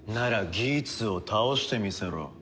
ギーツを倒してみせろ。